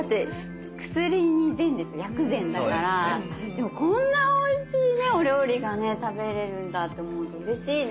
でもこんなおいしいねお料理がね食べれるんだって思うとうれしいね。